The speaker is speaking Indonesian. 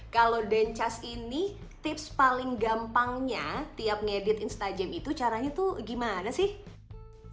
kalau dencas ini tips paling gampangnya tiap ngedit instagram itu caranya tuh gimana sih